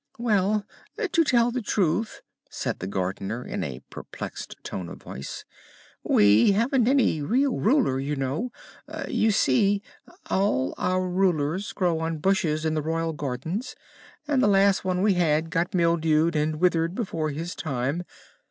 "Well, to tell the truth," said the Gardener, in a perplexed tone of voice, "we haven't any real Ruler, just now. You see, all our Rulers grow on bushes in the Royal Gardens, and the last one we had got mildewed and withered before his time.